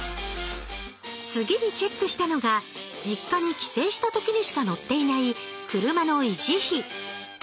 次にチェックしたのが実家に帰省した時にしか乗っていない車の維持費